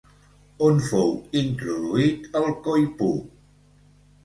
On fou introduït el coipú?